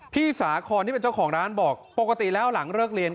สาคอนที่เป็นเจ้าของร้านบอกปกติแล้วหลังเลิกเรียน